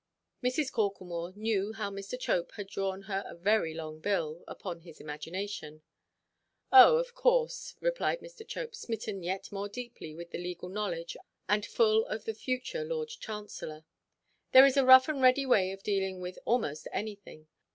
Mrs. Corklemore knew how Mr. Chope had drawn her a very long bill—upon his imagination. "Oh, of course," replied Mr. Chope, smitten yet more deeply with the legal knowledge, and full of the future Lord Chancellor; "there is a rough and ready way of dealing with almost anything.